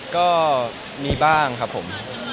ก็มีบ้างครับผม